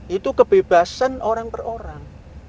itu kebebasan orang per orang